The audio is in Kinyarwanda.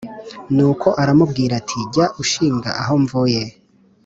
nuko aramubwira ati :jya ushinga aho mvuye :